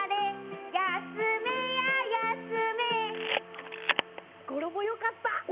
あっ語呂もよかった。